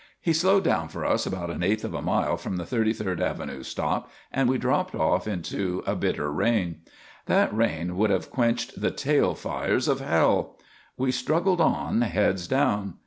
He slowed down for us about an eighth of a mile from the Thirty third Avenue stop and we dropped off into a bitter rain. That rain would have quenched the tail fires of hell. We struggled on, heads down.